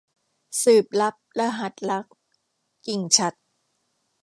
สืบลับรหัสรัก - กิ่งฉัตร